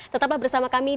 tetaplah bersama kami